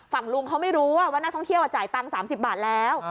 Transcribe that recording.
ฝั่งลุงเขาไม่รู้ว่านักท่องเที่ยวจ่ายตังค์๓๐บาทแล้ว